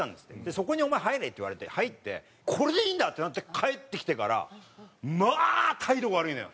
「そこにお前入れ」って言われて入ってこれでいいんだ！ってなって帰ってきてからまあ態度悪いのよ